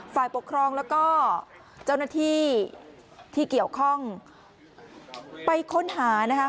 ฝ่ายปกครองแล้วก็เจ้าหน้าที่ที่เกี่ยวข้องไปค้นหานะคะ